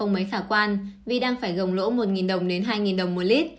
mới thả quan vì đang phải gồng lỗ một đồng đến hai đồng một lít